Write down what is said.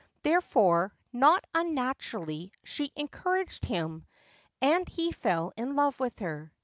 Therefore, not unnaturally, she encouraged him ; and he fell in love with her.